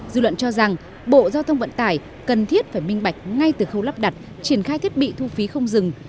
dư luận cho rằng bộ giao thông vận tải cần thiết phải minh bạch ngay từ khâu lắp đặt triển khai thiết bị thu phí không dừng